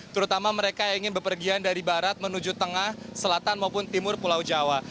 terutama mereka yang ingin berpergian dari barat menuju tengah selatan maupun timur pulau jawa